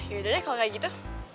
yaudah deh kalo kaya gitu